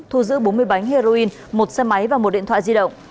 thu giữ bốn mươi bánh heroin một xe máy và một điện thoại di động